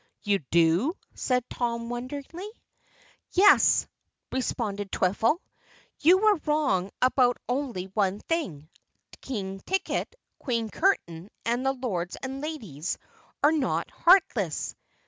"You do?" said Tom wonderingly. "Yes," responded Twiffle. "You were wrong about only one thing King Ticket, Queen Curtain, and the Lords and Ladies are not heartless.